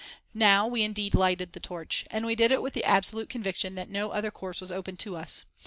Now we indeed lighted the torch, and we did it with the absolute conviction that no other course was open to us.